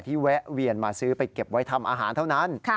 แวะเวียนมาซื้อไปเก็บไว้ทำอาหารเท่านั้น